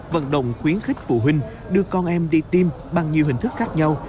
vận động khuyến khích phụ huynh đưa con em đi tiêm bằng nhiều hình thức khác nhau